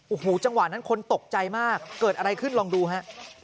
โอ้โหจังหวะนั้นคนตกใจมากเกิดอะไรขึ้นลองดูฮะ